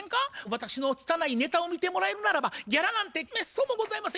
「私のつたないネタを見てもらえるならばギャラなんてめっそうもございません。